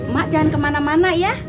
mak jangan kemana mana ya